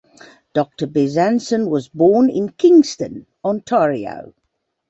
Doctor Bezanson was born in Kingston, Ontario.